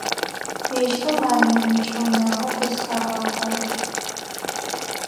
Ежьхэм анэмыкӏ унагъо къызхагъахьэрэп.